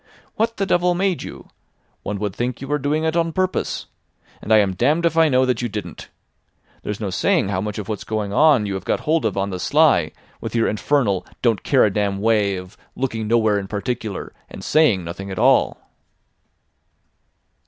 What the devil made you? One would think you were doing it on purpose. And I am damned if I know that you didn't. There's no saying how much of what's going on you have got hold of on the sly with your infernal don't care a damn way of looking nowhere in particular, and saying nothing at all.